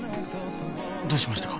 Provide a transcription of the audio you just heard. どうしましたか？